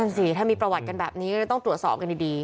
สิถ้ามีประวัติกันแบบนี้ก็ต้องตรวจสอบกันดี